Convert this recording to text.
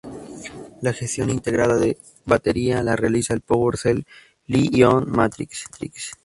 La gestión integrada de batería la realiza el "Power Cell Li-Ion Matrix".